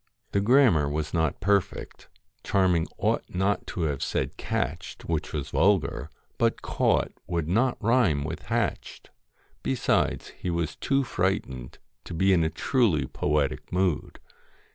The grammar was not perfect ; Charming ought not to have said 'catched,' which was vulgar, but 'caught' would not rhyme with 'hatched.' Besides he was too frightened to be in a truly poetic mood.